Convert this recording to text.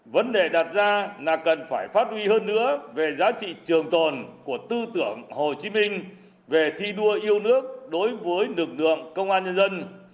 vấn đề đặt ra là cần phải phát huy hơn nữa về giá trị trường tồn của tư tưởng hồ chí minh về thi đua yêu nước đối với lực lượng công an nhân dân